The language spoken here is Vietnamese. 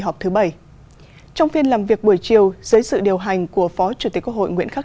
họp thứ bảy trong phiên làm việc buổi chiều dưới sự điều hành của phó chủ tịch quốc hội nguyễn khắc